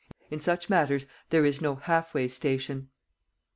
In such matters, there is no halfway station.